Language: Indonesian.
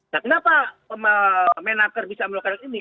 nah kenapa menaker bisa melakukan ini